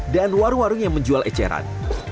dan warung warung yang menjual eceran